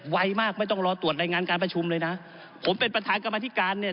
ไวมากไม่ต้องรอตรวจรายงานการประชุมเลยนะผมเป็นประธานกรรมธิการเนี่ย